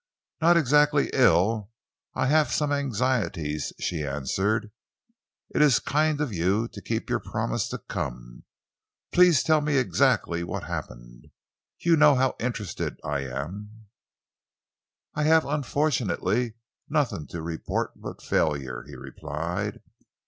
"Not exactly ill. I have some anxieties," she answered. "It is kind of you to keep your promise and come. Please tell me exactly what happened? You know how interested I am." "I have unfortunately nothing to report but failure," he replied.